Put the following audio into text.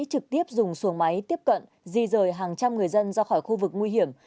trực tiếp dùng xuồng máy tiếp cận di rời hàng trăm người dân ra khỏi khu vực nguy hiểm